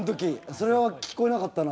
それは聞こえなかったな。